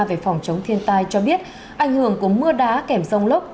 về phòng chống thiên tai cho biết ảnh hưởng của mưa đá kèm rông lốc